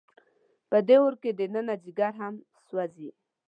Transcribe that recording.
په دې اور کې دننه ځیګر هم سوځي.